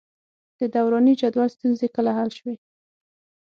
د دوراني جدول ستونزې کله حل شوې؟